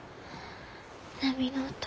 波の音